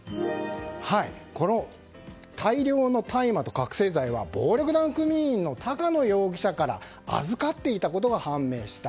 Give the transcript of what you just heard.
この大量の大麻と覚醒剤は暴力団組員の高野容疑者から預かっていたことが判明した。